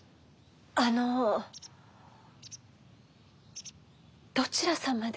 あのどちら様で？